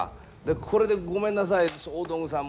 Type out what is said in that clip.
これでごめんなさい大道具さん